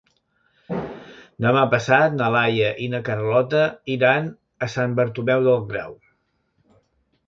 Demà passat na Laia i na Carlota iran a Sant Bartomeu del Grau.